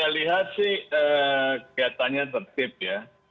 ya jadi saya lihat sih kegiatannya tertib ya